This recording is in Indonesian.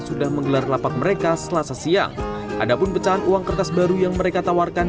sudah menggelar lapak mereka selasa siang ada pun pecahan uang kertas baru yang mereka tawarkan